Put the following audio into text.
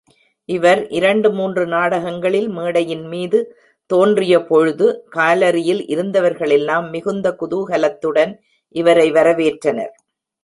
இவர் இரண்டு மூன்று நாடகங்களில் மேடையின்மீது தோன்றியபொழுது, காலரியில் இருந்தவர்களெல்லாம், மிகுந்த குதூஹலத்துடன் இவரை வரவேற்றனர்.